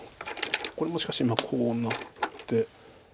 これもしかしこうなって。